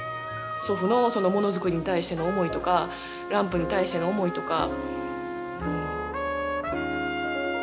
祖父の物作りに対しての思いとかランプに対しての思いとか。